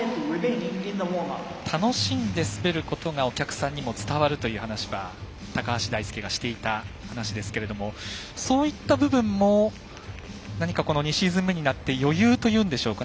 楽しんで滑ることがお客さんにも伝わるという話は高橋大輔がしていた話ですけどそういった部分も何か２シーズン目になって余裕というんでしょうか。